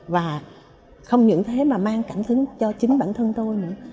và không những thế mà mang cảm hứng cho chính bản thân tôi nữa